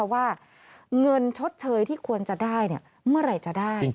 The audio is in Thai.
ว่าเงินชดเชยที่ควรจะได้เมื่อไหร่จะได้